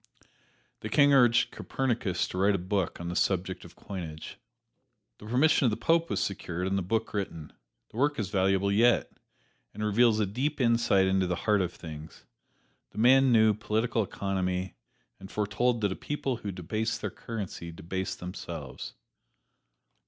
The King urged Copernicus to write a book on the subject of coinage. The permission of the Pope was secured, and the book written. The work is valuable yet, and reveals a deep insight into the heart of things. The man knew political economy, and foretold that a people who debased their currency debased themselves.